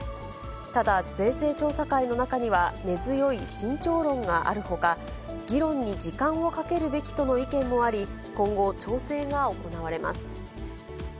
ただ、税制調査会の中には、根強い慎重論があるほか、議論に時間をかけるべきとの意見もあり、今後、調整が行われます。